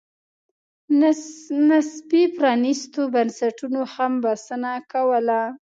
نسبي پرانېستو بنسټونو هم بسنه کوله.